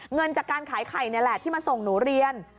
เงินจากการขายไข่นี่แหละที่มาส่งหนูเรียน